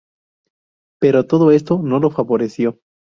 Pero todo esto no lo favoreció.